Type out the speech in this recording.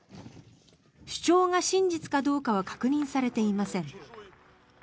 主張が真実かどうかは確認されていません。